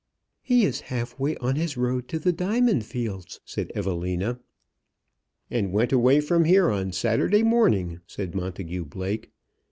"He is half way on his road to the diamond fields," said Evelina. "And went away from here on Saturday morning!" said Montagu Blake.